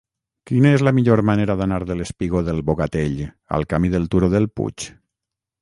Quina és la millor manera d'anar del espigó del Bogatell al camí del Turó del Puig?